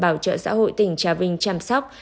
bảo trợ xã hội tỉnh trà vinh chăm sóc